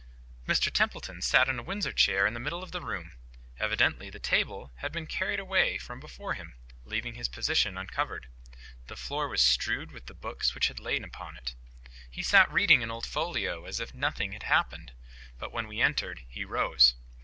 Mr Templeton sat in a Windsor chair in the middle of the room. Evidently the table had been carried away from before him, leaving his position uncovered. The floor was strewed with the books which had lain upon it. He sat reading an old folio, as if nothing had happened. But when we entered he rose.